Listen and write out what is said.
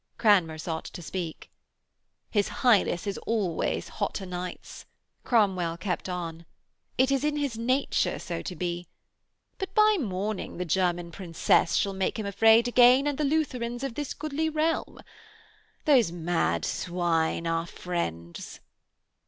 Cranmer sought to speak. 'His Highness is always hot o'nights,' Cromwell kept on. 'It is in his nature so to be. But by morning the German princes shall make him afraid again and the Lutherans of this goodly realm. Those mad swine our friends!'